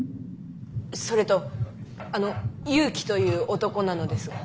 それとあの祐樹という男なのですが。